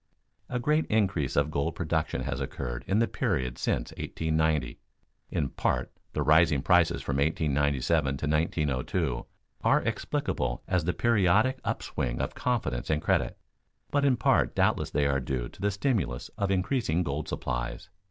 A great increase of gold production has occurred in the period since 1890. In part the rising prices from 1897 to 1902 are explicable as the periodic upswing of confidence and credit, but in part doubtless they are due to the stimulus of increasing gold supplies.